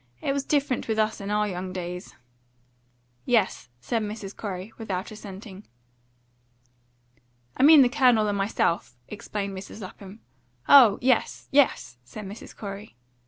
It was different with us in our young days." "Yes," said Mrs. Corey, without assenting. "I mean the Colonel and myself," explained Mrs. Lapham. "Oh yes yes!" said Mrs. Corey.